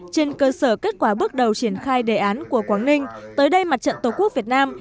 trên cơ sở kết quả bước đầu triển khai đề án của quảng ninh tới đây mặt trận tổ quốc việt nam